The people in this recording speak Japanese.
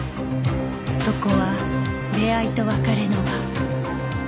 そこは出会いと別れの場